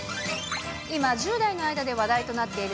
今、１０代の間で話題となっている